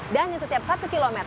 dan setiap satu km